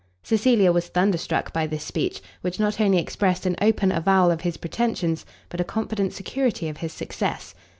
Cecilia was thunderstruck by this speech, which not only expressed an open avowal of his pretensions, but a confident security of his success.